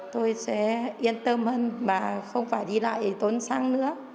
tôi sẽ yên tâm hơn mà không phải đi lại tốn xăng nữa